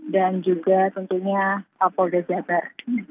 dan juga tentunya polres jabar